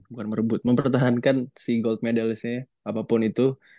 bukan merebut mempertahankan si gold medalistnya apapun itu